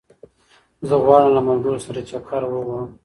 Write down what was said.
زه غواړم له ملګرو سره چکر ووهم